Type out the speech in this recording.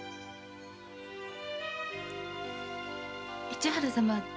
市原様